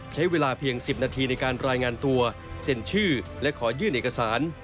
ใช้เวลาเพียง๑๐นาทีในการรายงานตัวเซ็นชื่อและขอยื่นเอกสาร